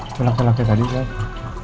itu laki laki tadi siapa